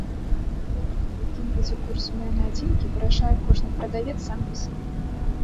А якім будзе курс умоўнай адзінкі, вырашае кожны прадавец сам для сябе.